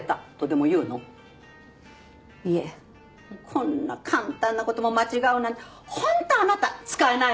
こんな簡単なことも間違うなんてホントあなた使えないわね。